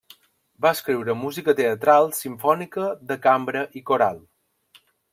Va escriure música teatral, simfònica, de cambra i coral.